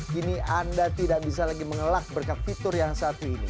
kini anda tidak bisa lagi mengelak berkat fitur yang satu ini